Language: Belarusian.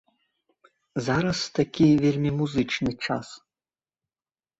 Зараз такі вельмі музычны час.